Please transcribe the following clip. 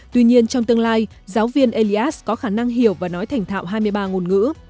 tuy nhiên trong tương lai giáo viên elias có khả năng hiểu và nói thành thạo hai mươi ba ngôn ngữ